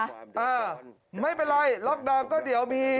อ่าไม่เป็นไรล็อกดาวน์ก็เดี๋ยวมี